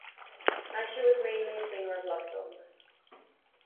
Neisha was mainly a singer of love songs.